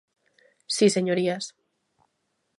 ¡Si, señorías!